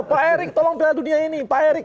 pak erik tolong pilihan dunia ini